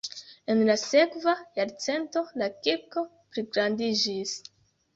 En la sekva jarcento la kirko pligrandiĝis.